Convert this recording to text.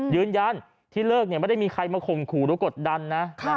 ยืนยันที่เลิกไม่ได้มีใครมาข่มขู่หรือกดดันนะ